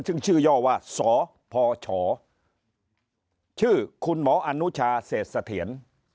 ซึ่งชื่อย่อว่าสพชชื่อคุณหมออนุชาเศษสะเทียน